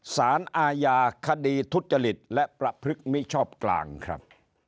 สารอาญาคดีทุจริตและประพฤติมิชอบกลางครับ